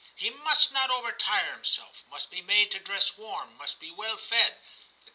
He must not overtire him self, must be made to dress warm, must be well fed,' etc.